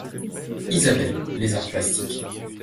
Isabelle, les arts plastiques.